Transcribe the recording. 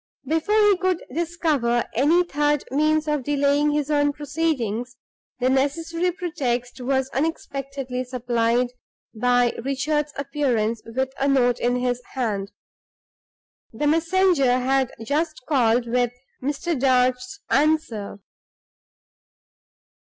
Before he could discover any third means of delaying his own proceedings, the necessary pretext was unexpectedly supplied by Richard's appearance with a note in his hand. The messenger had just called with Mr. Darch's answer.